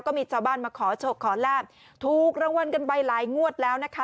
ก็มีชาวบ้านมาขอโชคขอลาบถูกรางวัลกันไปหลายงวดแล้วนะคะ